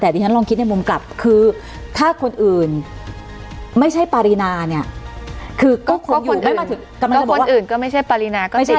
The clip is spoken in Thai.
แต่ดิฉันลองคิดในมุมกลับคือถ้าคนอื่นไม่ใช่ปรินาเนี่ย